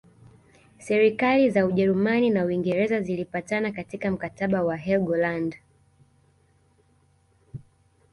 Serikali za Ujerumani na Uingereza zilipatana katika mkataba wa Helgoland